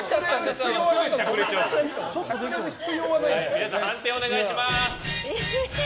皆さん、判定お願いします。